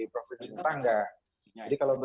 provinsi tetangga jadi kalau